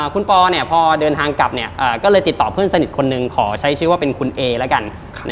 คุณปอพอเดินทางกลับก็เลยติดต่อเพื่อนสนิทคนหนึ่งขอใช้ชื่อว่าเป็นคุณเอละกัน